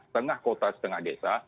tengah kota setengah desa